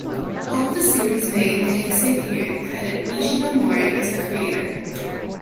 All of the series made in the Heisei period credit Ishinomori as the creator.